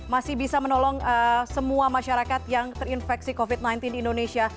masih bisa menolong semua masyarakat yang terinfeksi covid sembilan belas di indonesia